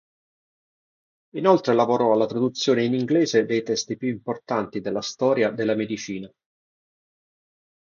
Inoltre lavorò alla traduzione in inglese dei testi più importanti della storia della medicina.